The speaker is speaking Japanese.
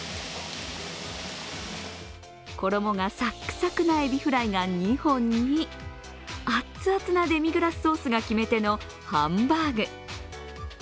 衣がサックサクなエビフライが２本に熱々なデミグラスソースが決め手のハンバーグ。